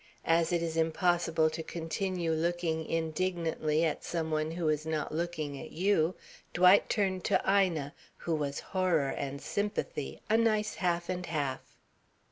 As it is impossible to continue looking indignantly at some one who is not looking at you, Dwight turned to Ina, who was horror and sympathy, a nice half and half.